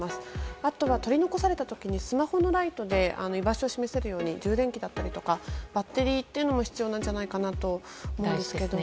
あとは取り残された時にスマホのライトで居場所を示せるように充電器だったりバッテリーも必要じゃないかと思うんですけど。